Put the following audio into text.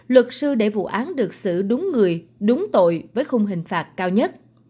luật sư để vụ án được xử đúng người đúng tội với khung hình phạt cao nhất